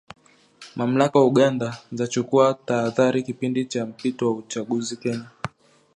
Mamlaka Uganda zachukua tahadhari kipindi cha mpito wa uchaguzi Kenya.